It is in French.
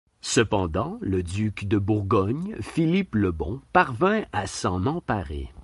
Cependant le duc de Bourgogne Philippe le Bon parvint à s'en emparer.